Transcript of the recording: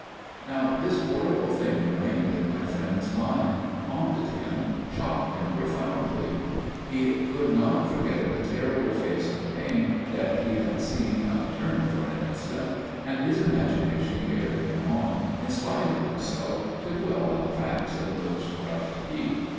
"Now this horrible thing remained in my friend's mind, haunted him, shocked him profoundly. He could not forget the terrible face of pain that he had seen upturned for an instant, and his imagination carried him on in spite of himself to dwell on the details of those crushed feet.